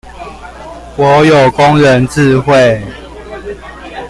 我有工人智慧